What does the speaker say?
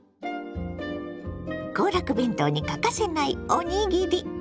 行楽弁当に欠かせないおにぎり。